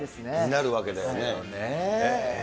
なるわけだよね。